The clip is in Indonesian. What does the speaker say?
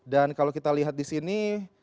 dan kalau kita lihat disini